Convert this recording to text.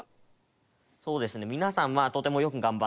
そうですね。